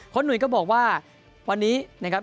หนุ่ยก็บอกว่าวันนี้นะครับ